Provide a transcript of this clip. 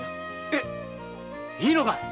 え⁉いいのかい！